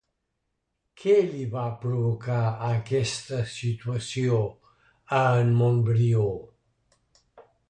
Què li va provocar aquesta situació a en Montbrió?